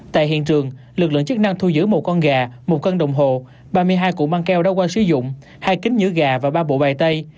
tại hiện trường lực lượng chức năng thu giữ một con gà một cân đồng hồ ba mươi hai cụ mang keo đá hoa sử dụng hai kính nhứa gà và ba bộ bày tay